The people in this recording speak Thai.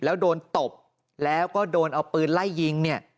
แล้วโดนตบแล้วก็โดนเอาปืนไล่ยิงเนี่ย